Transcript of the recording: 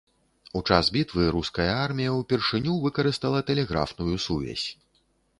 У час бітвы руская армія ўпершыню выкарыстала тэлеграфную сувязь.